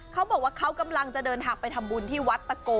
เขาบอกว่าเขากำลังจะเดินทางไปทำบุญที่วัดตะโก